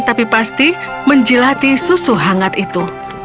tapi pasti menjilati susu hangat itu